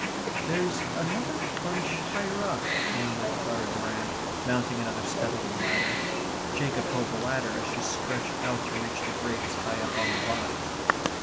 "There's another bunch higher up," murmured Clara Durrant, mounting another step of the ladder. Jacob held the ladder as she stretched out to reach the grapes high up on the vine.